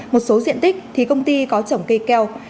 một số diện tích thì công ty có trồng cây keo